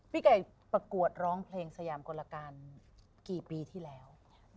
พี่ไก่ปรากฏร้องเพลงสยามกลการฮ์สามตัววันที่แล้ว